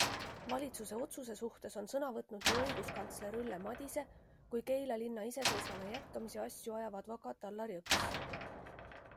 Valitsuse otsuse suhtes on sõna võtnud nii õiguskantsler Ülle Madise kui Keila linna iseseisvana jätkamise asju ajav advokaat Allar Jõks.